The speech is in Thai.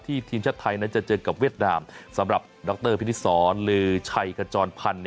ที่ทีมชาติไทยจะเจอกับเวียดดามสำหรับดรพิษศรหรือชัยกจรพันธ์